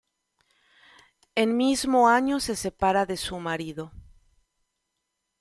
En mismo año se separa de su marido.